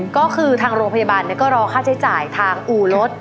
ก็คือทางโรงพยาบาลก็รอค่าใช้จ่ายทางอู่รถ